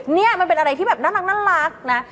นี่มันเป็นอะไรที่แบบน่ารักนะ